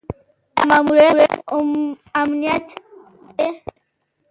آیا ماموریت امانت دی؟